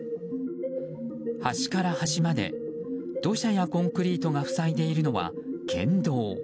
端から端まで土砂やコンクリートが塞いでいるのは県道。